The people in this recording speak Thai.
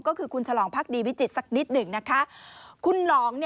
ก็คือคุณฉลองภักดีวิจิตรสักนิดหนึ่ง